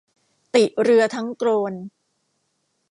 ติเรือทั้งโกลน